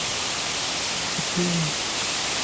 تون ڪٿي وي